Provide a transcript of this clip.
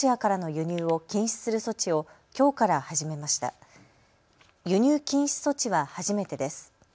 輸入禁止措置は初めてです。